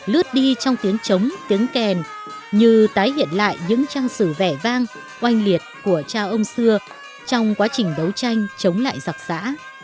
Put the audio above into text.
lướt đi trong tiếng chống tiếng kèn như tái hiện lại những trang sử vẻ vang oanh liệt của cha ông xưa trong quá trình đấu tranh chống lại giặc giã